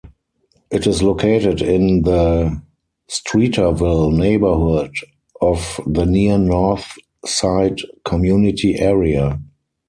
It is located in the Streeterville neighborhood of the Near North Side community area.